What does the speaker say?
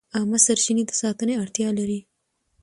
عامه سرچینې د ساتنې اړتیا لري.